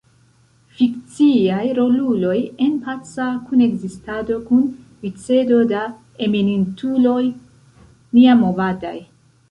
Fikciaj roluloj en paca kunekzistado kun vicedo da eminentuloj niamovadaj.